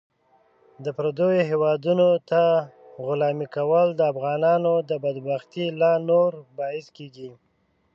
د پردیو هیوادونو ته غلامي کول د افغانانو د بدبختۍ لا نور باعث کیږي .